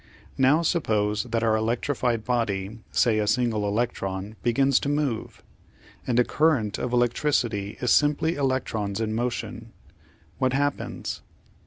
Now suppose that our electrified body, say a single electron, begins to move and a current of electricity is simply electrons in motion what happens?